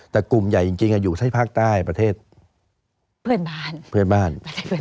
แต่กลุ่มใหญ่จริงอยู่ใส่ภาคใต้ประเทศเพื่อนบ้าน